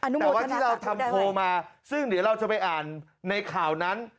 แต่ว่าที่เราทำโพลมาซึ่งเดี๋ยวเราจะไปอ่านในข่าวนั้น